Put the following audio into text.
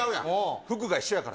服が一緒やから。